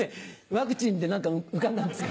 ワクチンで何か浮かんだんですか？